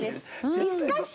ディスカッション。